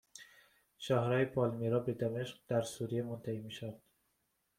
شاهراه پالمیرا به دمشق در سوریه منتهی میشود